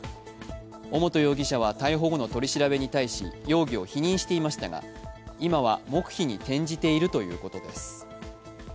尾本容疑者は逮捕後の取り調べに対し、容疑を否認していましたが、今は黙秘に転じているということです。